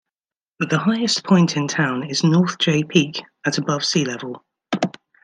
The highest point in town is North Jay Peak at above sea level.